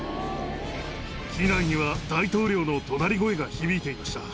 機内には大統領のどなり声が響いていました。